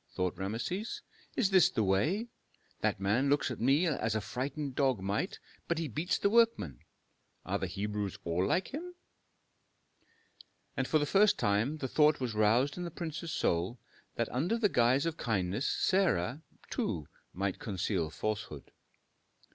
thought Rameses. "Is this the way? That man looks at me as a frightened dog might, but he beats the workmen. Are the Hebrews all like him?" And for the first time the thought was roused in the prince's soul, that under the guise of kindness Sarah, too, might conceal falsehood.